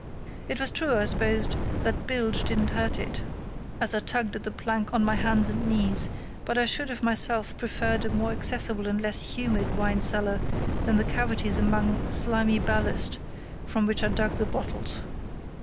It was true, I supposed, that bilge didn't hurt it, as I tugged at the plank on my hands and knees, but I should have myself preferred a more accessible and less humid wine cellar than the cavities among slimy ballast from which I dug the bottles.